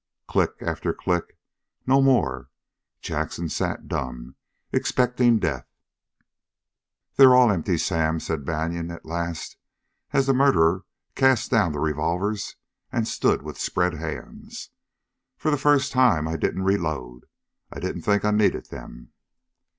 Click after click, no more; Jackson sat dumb, expecting death. "They're all empty, Sam," said Banion at last as the murderer cast down the revolvers and stood with spread hands. "For the first time, I didn't reload. I didn't think I'd need them."